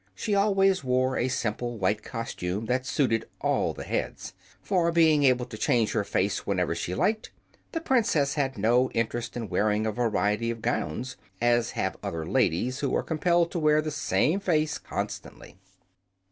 She always wore a simple white costume, that suited all the heads. For, being able to change her face whenever she liked, the Princess had no interest in wearing a variety of gowns, as have other ladies who are compelled to wear the same face constantly.